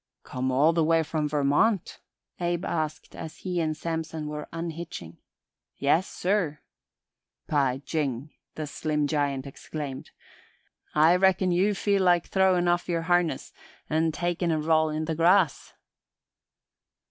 "Come all the way from Vermont?" Abe asked as he and Samson were unhitching. "Yes, sir." "By jing!" the slim giant exclaimed. "I reckon you feel like throwin' off yer harness an' takin' a roll in the grass."